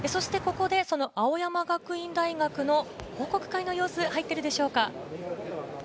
青山学院大学の報告会の様子が入っているでしょうか？